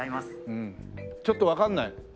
うんちょっとわかんない。